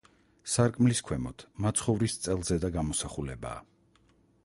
სარკმლის ქვემოთ მაცხოვრის წელზედა გამოსახულებაა.